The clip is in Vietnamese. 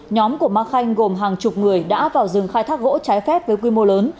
nhóm của ma khanh gồm hàng chục người đã vào rừng khai thác gỗ trái phép với quy mô lớn